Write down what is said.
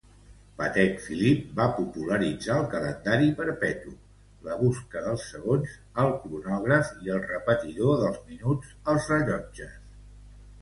Patek Philippe va popularitzar el calendari perpetu, la busca dels segons, el cronògraf i el repetidor dels minuts als rellotges.